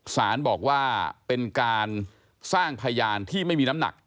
สารบอกว่าเป็นการสร้างพยานที่ไม่มีน้ำหนัก